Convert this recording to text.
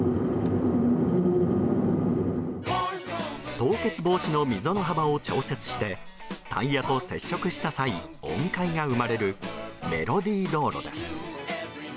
凍結防止の溝の幅を調節してタイヤと接触した際音階が生まれるメロディー道路です。